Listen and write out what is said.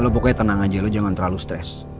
lo pokoknya tenang aja lo jangan terlalu stres